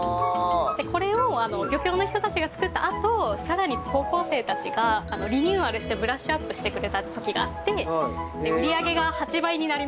これを漁協の人たちが作ったあとさらに高校生たちがリニューアルしてブラッシュアップしてくれた時があって売り上げが８倍になりました。